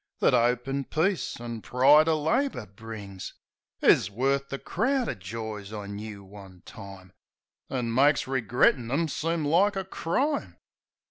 That 'ope an' peace an' pride o' labour brings, Is worth the crowd of joys I knoo one time, An' makes regrettin' 'em seem like a crime.